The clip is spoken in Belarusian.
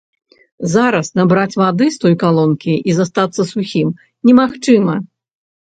Зараз набраць вады з той калонкі і застацца сухім немагчыма.